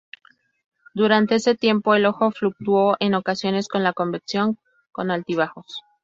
Durante ese tiempo, el ojo fluctuó en ocasiones con la convección con altibajos.